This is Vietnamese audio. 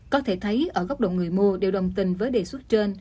có thể thấy ở góc độ người mua đều đồng tình với đề xuất trên